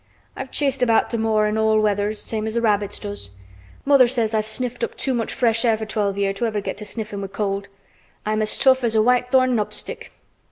I've chased about th' moor in all weathers same as th' rabbits does. Mother says I've sniffed up too much fresh air for twelve year' to ever get to sniffin' with cold. I'm as tough as a white thorn knobstick."